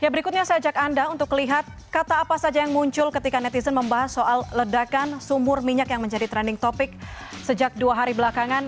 berikutnya saya ajak anda untuk lihat kata apa saja yang muncul ketika netizen membahas soal ledakan sumur minyak yang menjadi trending topic sejak dua hari belakangan